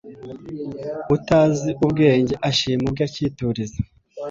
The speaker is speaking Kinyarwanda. Utazi ubwenge ashima ubwe akituriza